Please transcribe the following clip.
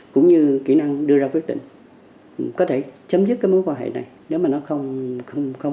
cũng như kỹ năng đưa ra quyết định có thể chấm dứt cái mối quan hệ này nếu mà nó không